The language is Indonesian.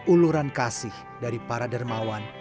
uluran kasih dari para dermawan